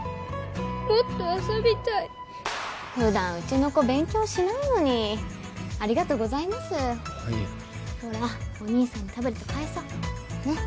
もっと遊びたい・ふだんうちの子勉強しないのにありがとうございますああいえほらお兄さんにタブレット返そうねっ・